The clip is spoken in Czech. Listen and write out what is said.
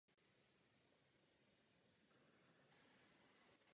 Od nich je časem převzali Římané.